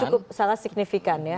cukup sangat signifikan ya